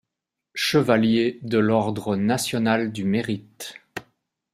Chevalier de l'Ordre national du mérite.